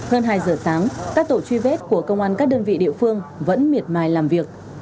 hơn hai giờ sáng các tổ truy vết của công an các đơn vị địa phương vẫn miệt mài làm việc